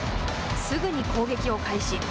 すぐに攻撃を開始。